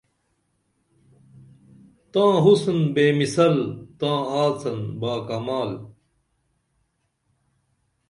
تاں حسن بے مثال تاں آڅن باکمال